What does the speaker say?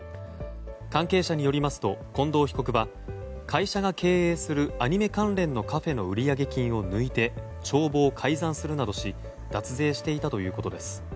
関係者によりますと近藤被告は会社が経営するアニメ関連のカフェの売上金を抜いて帳簿を改ざんするなどし脱税していたということです。